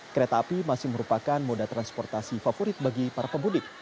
kereta api masih merupakan moda transportasi favorit bagi para pemudik